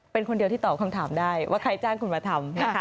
เป็นคนเดียวที่ตอบคำถามได้ว่าใครจ้างคุณมาทำนะคะ